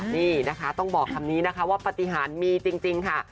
นี่นะคะต้องบอกคำนี้นะคะว่าปฏิหารมีจริงค่ะ